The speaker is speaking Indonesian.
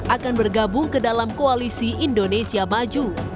akan bergabung ke dalam koalisi indonesia maju